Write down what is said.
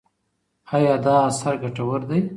ایا دا اثر ګټور دی؟